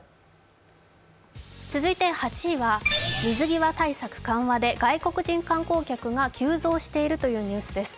続いては８位は、水際対策緩和で外国人観光客が急増しているというニュースです。